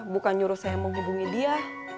bukan nyuruh saya mau hubungin dia